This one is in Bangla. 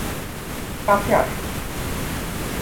কাছে আসি।